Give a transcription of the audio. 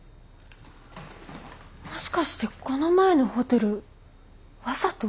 もしかしてこの前のホテルわざと？